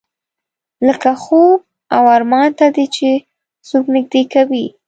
لکه خوب او ارمان ته دې چې څوک نږدې کوي.